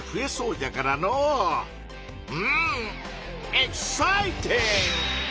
うんエキサイティング！